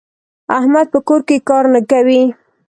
احمد په کور کې کار نه کوي.